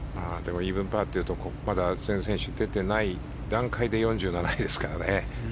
イーブンパーっていうとまだ全選手出ていない段階で４７位ですからね。